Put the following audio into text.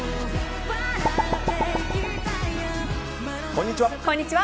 こんにちは。